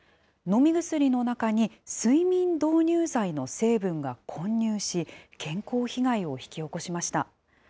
飲み薬の中に睡眠導入剤の成分が混入し、健康被害を引き起こしました。